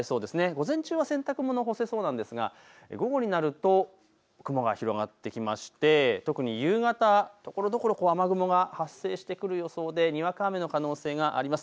午前中は洗濯物、干せそうなんですが、午後になると雲が広がってきまして特に夕方、ところどころ雨雲が発生してくる予想でにわか雨の可能性があります。